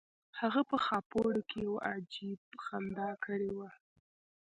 هغه په خاپوړو کې یو عجیب خندا کړې وه